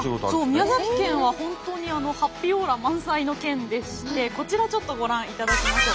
宮崎県は本当にハッピーオーラ満載の県でしてこちらちょっとご覧いただきましょう。